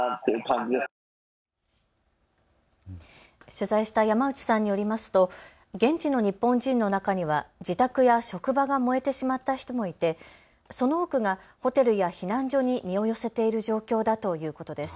取材した山内さんによりますと現地の日本人の中には自宅や職場が燃えてしまった人もいてその多くがホテルや避難所に身を寄せている状況だということです。